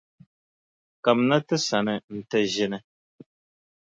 Kamina ti sani nti ʒini.